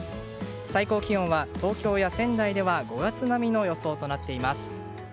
最高気温は東京や仙台では５月並みの予想となっています。